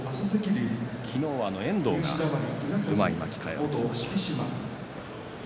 昨日は遠藤がうまい巻き替えをしました。